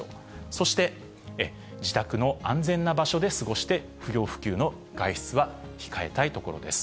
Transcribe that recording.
そして自宅の安全な場所で過ごして、不要不急の外出は控えたいところです。